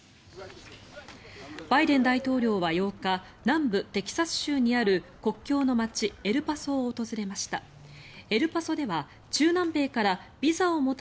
バイデン大統領は８日南部テキサス州にある国境の街エルパソを訪れました。